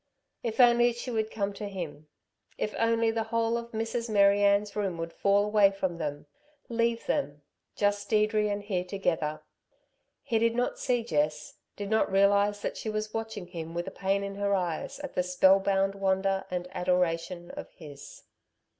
If only she would come to him. If only the whole of Mrs. Mary Ann's room would fall away from them leave them, just Deirdre and he, together. He did not see Jess, did not realise that she was watching him with a pain in her eyes at the spell bound wonder and adoration of his.